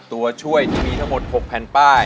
ตัวช่วยที่มีทั้งหมด๖แผ่นป้าย